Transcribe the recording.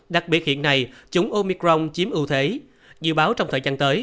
đặc biệt hiện nay chúng omicron chiếm ưu thế dự báo trong thời gian tới